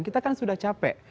kita kan sudah capek